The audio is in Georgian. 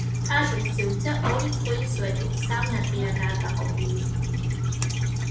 ტაძრის სივრცე ორი წყვილი სვეტით სამ ნაწილადაა გაყოფილი.